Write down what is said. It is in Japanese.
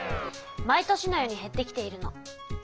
毎年のようにへってきているの。